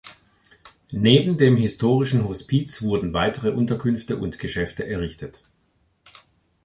Neben dem historischen Hospiz wurden weitere Unterkünfte und Geschäfte errichtet.